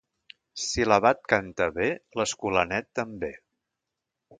Si l'abat canta bé, l'escolanet també.